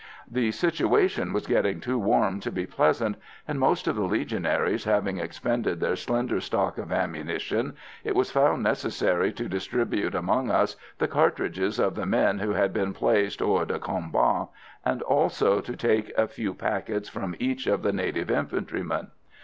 The situation was getting too warm to be pleasant, and most of the Legionaries having expended their slender stock of ammunition, it was found necessary to distribute among us the cartridges of the men who had been placed hors de combat, and also to take a few packets from each of the native infantrymen.